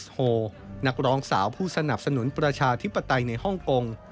นักร้องสาวผู้สนับสนุนประชาธิปไตยในฮ่องกง